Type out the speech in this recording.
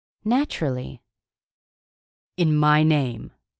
"Naturally." "In my name?"